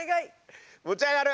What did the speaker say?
持ち上がる。